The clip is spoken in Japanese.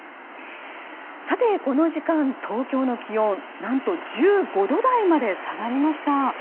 さて、この時間、東京の気温何と１５度台まで下がりました。